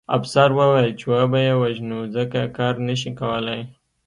افسر وویل چې وبه یې وژنو ځکه کار نه شي کولی